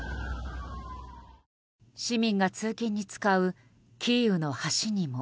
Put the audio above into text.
市民が通勤に使うキーウの橋にも。